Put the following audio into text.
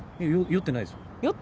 酔ってないで？